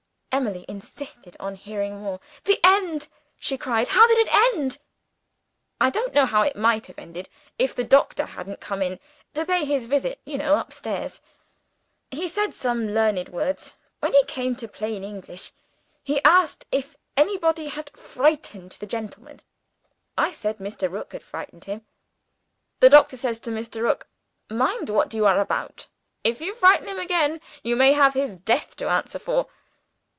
Emily insisted on hearing more. "The end!" she cried. "How did it end?" "I don't know how it might have ended, if the doctor hadn't come in to pay his visit, you know, upstairs. He said some learned words. When he came to plain English, he asked if anybody had frightened the gentleman. I said Mr. Rook had frightened him. The doctor says to Mr. Rook, 'Mind what you are about. If you frighten him again, you may have his death to answer for.